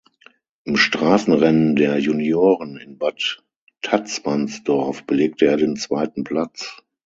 Im Straßenrennen der Junioren in Bad Tatzmannsdorf belegte er den zweiten Platz.